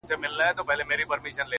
گراني چي د ټول كلي ملكه سې;